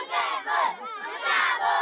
dukai dukai bun